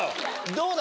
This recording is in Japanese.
どうだ？